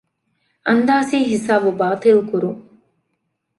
އަންދާސީހިސާބު ބާޠިލުކުރުން